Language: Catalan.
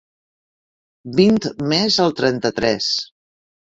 Vint més al trenta-tres.